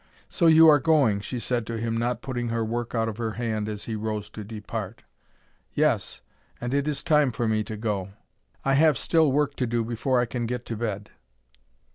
"So you are going," she said to him, not putting her work out of her hand as he rose to depart. "Yes; and it is time for me to go. I have still work to do before I can get to bed.